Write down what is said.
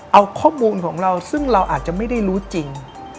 เอาข้อมูลของเราซึ่งเราอาจจะไม่ได้รู้จริง